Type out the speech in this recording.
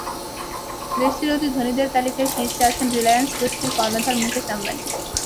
দেশটির অতি ধনীদের তালিকায় শীর্ষে আছেন রিলায়েন্স গোষ্ঠীর কর্ণধার মুকেশ আম্বানি।